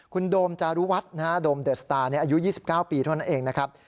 คุณโดมจารุวัฒน์โดมเดอร์สตาร์อายุ๒๙ปีเท่านั้นเองนะครับ